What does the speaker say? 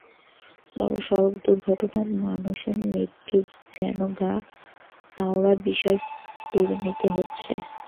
বরং সড়ক দুর্ঘটনায় মানুষের মৃত্যু যেন গা সওয়া বিষয়ে পরিণত হচ্ছে।